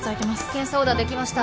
検査オーダーできました。